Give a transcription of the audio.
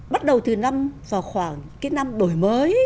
bắt đầu từ năm vào khoảng cái năm đổi mới